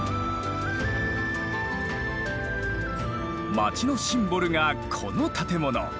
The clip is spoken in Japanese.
町のシンボルがこの建物。